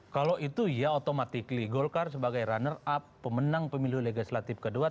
kalau itu ya otomatik golkar sebagai runner up pemenang pemilu legislatif kedua